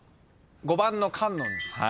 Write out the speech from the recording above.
５番の観音寺。